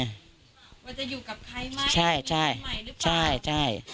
ว่าจะอยู่กับใครไหมคนใหม่หรือเปล่าใช่